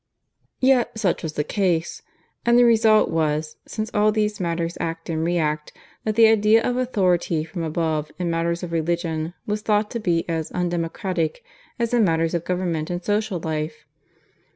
Yet such was the case. And the result was since all these matters act and react that the idea of authority from above in matters of religion was thought to be as 'undemocratic' as in matters of government and social life.